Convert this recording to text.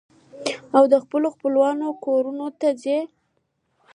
او د خپلو خپلوانو کورنو ته ځي.